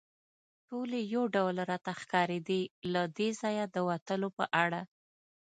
ټولې یو ډول راته ښکارېدې، له دې ځایه د وتلو په اړه.